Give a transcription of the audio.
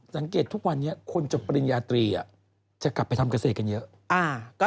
ทุกวันนี้คนจบปริญญาตรีจะกลับไปทำเกษตรกันเยอะ